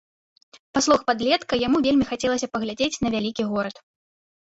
Па словах падлетка, яму вельмі хацелася паглядзець на вялікі горад.